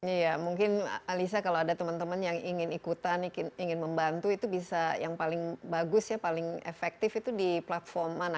iya mungkin alisa kalau ada teman teman yang ingin ikutan ingin membantu itu bisa yang paling bagus ya paling efektif itu di platform mana